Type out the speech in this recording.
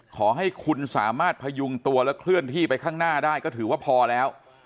ขอให้คุณสามารถพยุงตัวและเคลื่อนที่ไปข้างหน้าได้ก็ถือว่าพอแล้ว